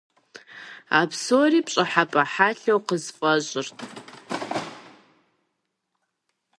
А псори пщӀыхьэпӀэ хьэлъэу къысфӀэщӀырт.